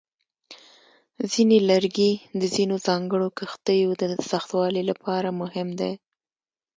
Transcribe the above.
ځینې لرګي د ځینو ځانګړو کښتیو د سختوالي لپاره مهم دي.